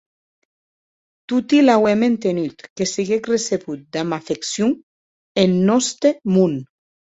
Toti l'auem entenut, que siguec recebut damb afeccion en nòste mon.